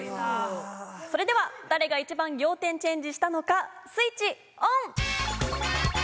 それでは誰が一番仰天チェンジしたのかスイッチオン！